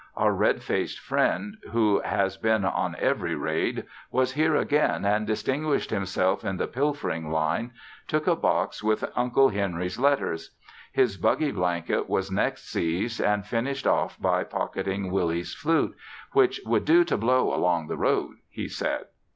Our red faced friend, who has been on every raid, was here again and distinguished himself in the pilfering line; took a box with Uncle Henry's letters. His buggy blanket was next seized, and finished off by pocketing Willie's flute, which "would do to blow along the road," he said.